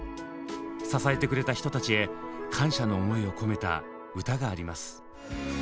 支えてくれた人たちへ感謝の思いを込めた歌があります。